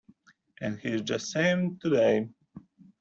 And he's just the same today.